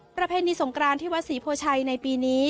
ประเพณีสงกรานที่วัดศรีโพชัยในปีนี้